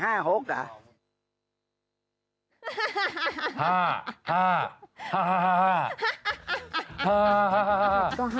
เห็ดกับ๕๖หรอ